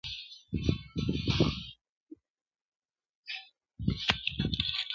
دومره پوه نه سوم ښځه که نر یې!.